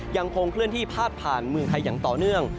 ยังคงเคลื่อนที่พาดผ่านเมืองไทยอย่างต่อเนื่อง